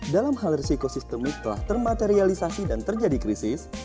dalam hal resiko sistemik telah termaterialisasi dan terjadi krisis